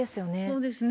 そうですね。